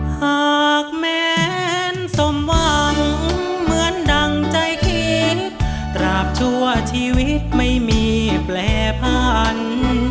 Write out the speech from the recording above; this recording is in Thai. หากแม้นสมหวังเหมือนดั่งใจคิดตราบชั่วชีวิตไม่มีแปรพันธุ์